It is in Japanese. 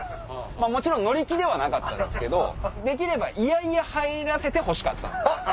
もちろん乗り気ではなかったですけどできれば嫌々入らせてほしかった。